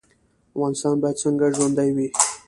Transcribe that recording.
افغانستان باید څنګه ژوندی وي؟